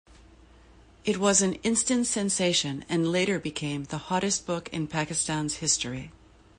It was an "instant sensation" and later became the "hottest book in Pakistan's history".